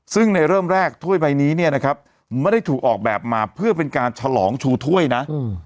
ซึ่งในเริ่มแรกถ้วยใบนี้เนี่ยนะครับไม่ได้ถูกออกแบบมาเพื่อเป็นการฉลองชูถ้วยนะ